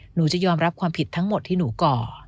หนูจะยอมรับความผิดทั้งหมดที่หนูก่อ